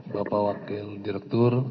bapak wakil direktur